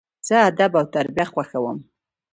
زه ادب او تربیه خوښوم.